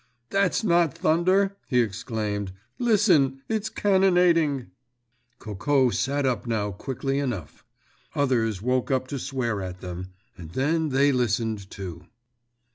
"That's not thunder!" he exclaimed. "Listen! it's cannonading!" Coco sat up now quickly enough. Others woke up to swear at them—and then they listened, too.